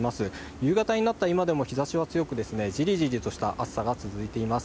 夕方になった今でも日ざしは強く、ジリジリとした暑さが続いています。